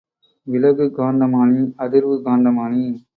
விலகு காந்தமானி, அதிர்வு காந்தமானி.